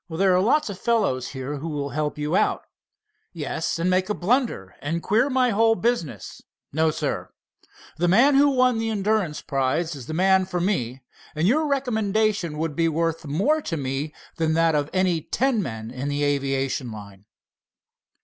"There's lots of the fellows here who will help you out." "Yes, and make a blunder, and queer my whole business. No, sir! The man who won the endurance prize is the man for me, and your recommendation would be worth more to me than that of any ten men in the aviation line."